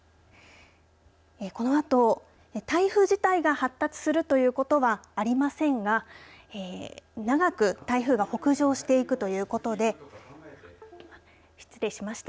このあと台風自体が発達するということはありませんが長く台風が北上していくということで失礼しました。